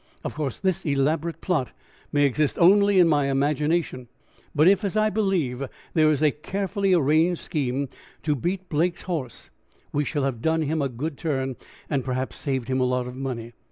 Of course, this elaborate plot may exist only in my imagination, but if, as I believe, there is a carefully arranged scheme to beat Blake's horse, we shall have done him a good turn, and perhaps saved him a lot of money.